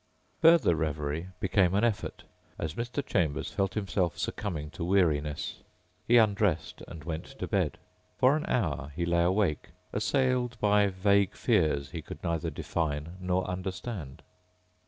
Further reverie became an effort as Mr. Chambers felt himself succumbing to weariness. He undressed and went to bed. For an hour he lay awake, assailed by vague fears he could neither define nor understand.